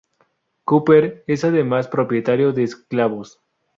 Cooper era además propietario de esclavos.